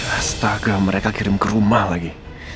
hastagram mereka kirim ke rumah lagi